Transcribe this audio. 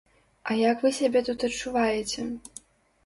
А як вы сябе тут адчуваеце?